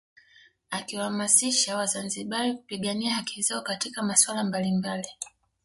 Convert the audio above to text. Akiwahamasisha wazanzibari kupigania haki zao katika masuala mbalimbali